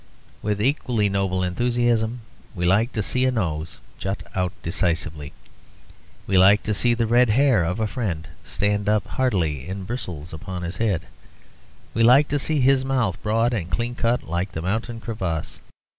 With equally noble enthusiasm we like to see a nose jut out decisively, we like to see the red hair of a friend stand up hardily in bristles upon his head, we like to see his mouth broad and clean cut like the mountain crevasse.